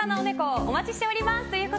お待ちしております。